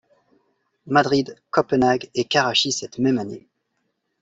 Madrid, Copenhague et Karachi cette même année.